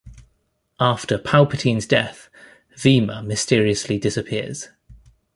After Palpatine's death, Vima mysteriously disappears.